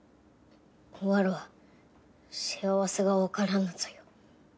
わらわ幸せがわからぬぞよ。